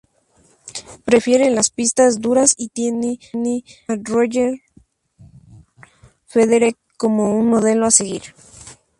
Prefiere las pistas duras y tiene a Roger Federer como un modelo a seguir.